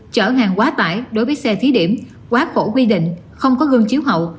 chở hàng quá tải đối với xe thí điểm quá khổ quy định không có gương chiếu hậu